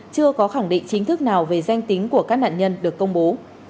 chưa có khẳng định chính thức nào về danh tính của các nạn nhân được công bố